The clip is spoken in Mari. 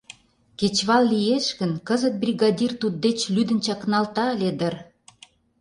Кечывал лиеш гын, кызыт бригадир туддеч лӱдын чакналта ыле дыр.